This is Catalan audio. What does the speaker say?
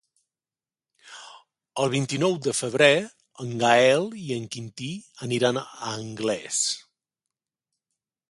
El vint-i-nou de febrer en Gaël i en Quintí aniran a Anglès.